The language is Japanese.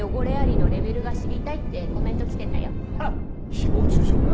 誹謗中傷か？